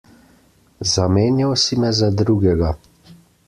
Zamenjal si me za drugega.